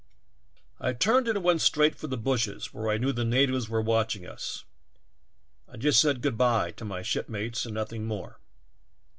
"I turned and went straight for the bushes where I knew the natives were watching us. I just said ' Good b^^e ' to m^^ shipmates and nothing more.